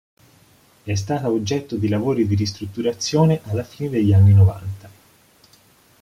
È stata oggetto di lavori di ristrutturazione alla fine degli anni novanta.